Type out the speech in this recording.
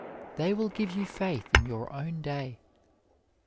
They will give you faith in your own day.